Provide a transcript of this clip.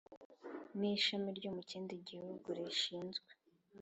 n ishami ryo mu kindi gihugu rishinzwe